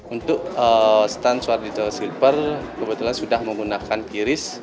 untuk stunt suar dito silver kebetulan sudah menggunakan kiris